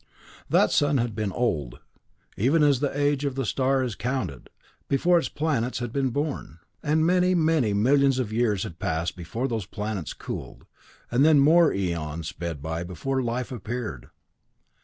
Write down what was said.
"That sun had been old, even as the age of a star is counted, before its planets had been born, and many, many millions of years had passed before those planets cooled, and then more eons sped by before life appeared.